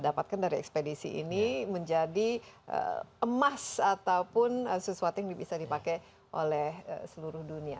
dapatkan dari ekspedisi ini menjadi emas ataupun sesuatu yang bisa dipakai oleh seluruh dunia